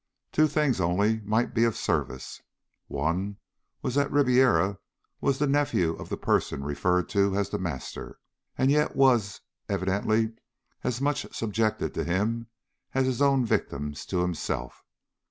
Two things, only, might be of service. One was that Ribiera was the nephew of the person referred to as The Master, and yet was evidently as much subjected to him as his own victims to himself.